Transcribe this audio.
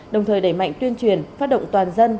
đồng thời đẩy mạnh tuyên truyền phát động toàn dân